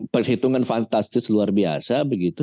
perhitungan fantastis luar biasa begitu